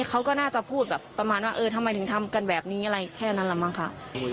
เขาก็น่าจะพูดแบบประมาณว่าเออทำไมถึงทำกันแบบนี้อะไรแค่นั้นแหละมั้งค่ะ